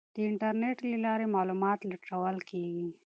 د انټرنیټ له لارې معلومات لټول کیږي.